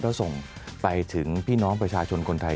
แล้วส่งไปถึงพี่น้องประชาชนคนไทย